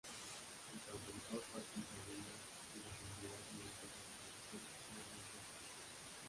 El cantautor Joaquin Sabina le rendiría tributo con su canción "Menos dos alas".